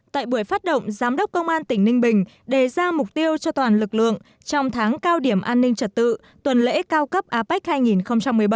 tại buổi phát động giám đốc công an tỉnh ninh bình đề ra mục tiêu cho toàn lực lượng trong tháng cao điểm an ninh trật tự tuần lễ cao cấp apec hai nghìn một mươi bảy